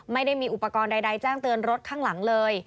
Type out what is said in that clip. ไม่ได้มีอุปกรณ์ใดแจ้งเตือนรถข้างหลังเลย